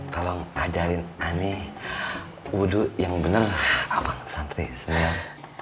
tolong ajarin ana wudhu yang bener abang santri senior